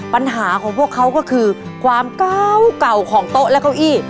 ปัญหาของพวกเขาก็คือความเก่าเก่าของโต๊ะและเก้าอี้